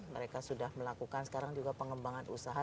mereka sudah melakukan sekarang juga pengembangan usaha